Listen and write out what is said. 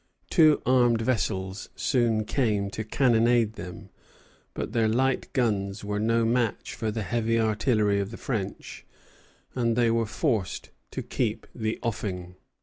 Two armed vessels soon came to cannonade them; but their light guns were no match for the heavy artillery of the French, and they were forced to keep the offing.